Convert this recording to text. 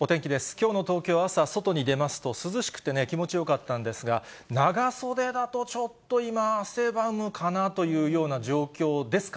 きょうの東京は朝、外に出ますと涼しくてね、気持ちよかったんですが、長袖だとちょっと今、汗ばむかなというような状況ですか？